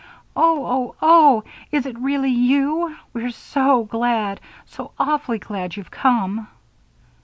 "Oh! oh! oh! Is it really you? We're so glad so awfully glad you've come!"